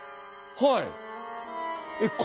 はい。